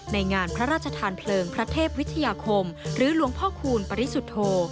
ในงานพระราชทานเพลิงพระเทพวิทยาคมหรือหลวงพ่อคูณปริสุทธโธ